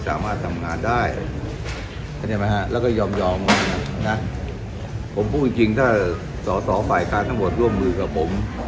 สามารถทำงานได้แล้วก็ยอมผมพูดจริงถ้าส่อส่อฝ่ายค้าทั้งหมดร่วมมือกับผม